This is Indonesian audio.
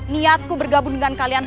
niatku bergabung dengan kalian